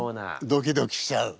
ドキドキしちゃう。